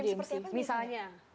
game seperti apa misalnya